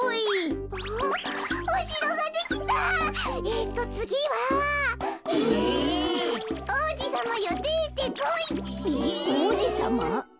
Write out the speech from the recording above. えっおうじさま？